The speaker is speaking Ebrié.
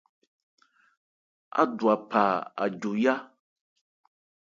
Ádwa pha ajo yá.